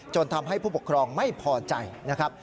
จนทำให้ผู้ปกครองไม่พอใจนะครับ